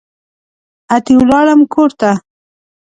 اتي ولاړم کورته